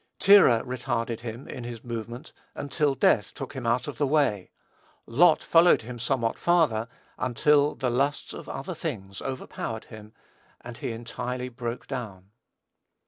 Terah retarded him in his movement, until death took him out of the way. Lot followed him somewhat farther, until "the lusts of other things" overpowered him, and he entirely broke down.